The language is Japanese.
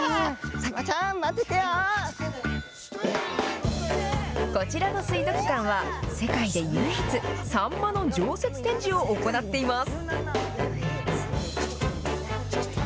サンマちゃん、こちらの水族館は、世界で唯一、サンマの常設展示を行っています。